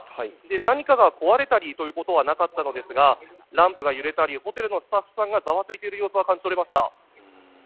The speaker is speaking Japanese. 何かが壊れたりということはなかったのですが、ランプが揺れたり、ホテルのスタッフさんがざわついている感じは感じ取りました。